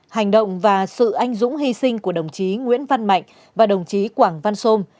hành động và sự anh dũng hy sinh của đồng chí nguyễn văn mạnh và đồng chí quảng văn sô